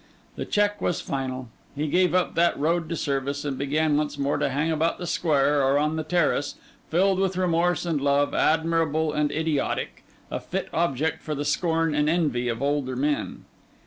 The check was final; he gave up that road to service; and began once more to hang about the square or on the terrace, filled with remorse and love, admirable and idiotic, a fit object for the scorn and envy of older men.